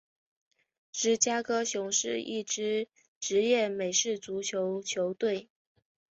芝加哥熊是一支职业美式足球球队。